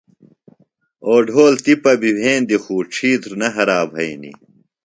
اوڈھول تِپہ بی وھیندی خو ڇِھیتر نہ ہرائی بھینی۔